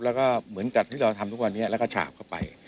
แล้วก็เหมือนกับที่เราทำทุกวันนี้แล้วก็ฉาบเข้าไป